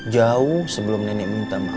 jauh sebelum nenek minta maaf